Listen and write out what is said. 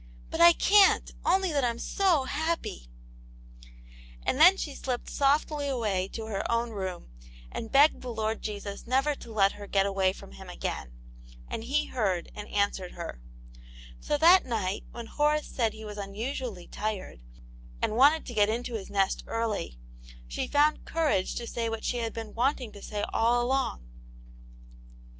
But I can't, only that I'm so happy !" And then she slipped softly away to her own room, and begged the Lord Jesus never to let her get away from Him again, and He heard, and answered her. So that night when Horace said he was unusually tired, and wanted to ^^t mto V\i t^'e.s^t Aunt Jane's Hero. iii early, she found courage to say what she had been wanting to say all along.